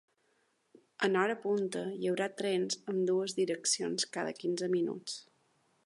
En hora punta, hi haurà trens en ambdues direccions cada quinze minuts.